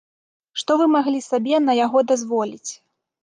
Што вы маглі сабе на яго дазволіць?